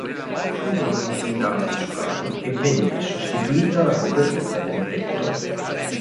Furono consolidati i solai e venne sostituita la copertura del tetto.